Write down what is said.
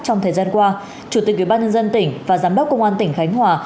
trong thời gian qua chủ tịch ubnd tỉnh và giám đốc công an tỉnh khánh hòa